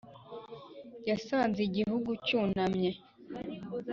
yasanze igihugu cyunamye